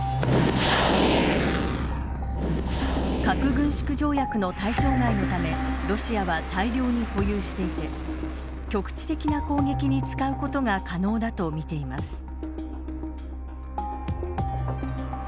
核軍縮条約の対象外のためロシアは大量に保有していて局地的な攻撃に使うことが可能だとみています。